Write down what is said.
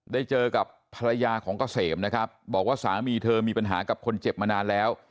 ได้เจอกับภรรยาของเกษมนะครับบอกว่าสามีเธอมีปัญหากับคนเจ็บมานานแล้ว